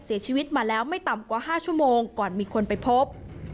เสียชีวิตมาแล้วไม่ต่ำกว่า๕ชั่วโมงก่อนมีคนไปพบ